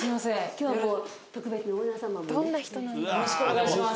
今日は特別にオーナー様もね。よろしくお願いします。